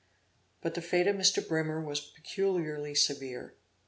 But the fate of Mr. Brimer was peculiarly severe.